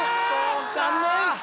残念！